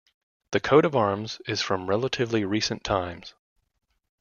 The coat-of-arms is from relatively recent times.